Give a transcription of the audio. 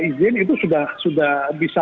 izin itu sudah bisa